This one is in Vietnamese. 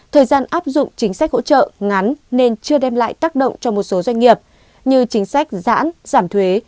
thời gian áp dụng chính sách hỗ trợ ngắn nên chưa đem lại tác động cho một số doanh nghiệp như chính sách giãn giảm thuế